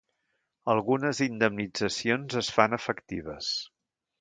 Algunes indemnitzacions es fan efectives.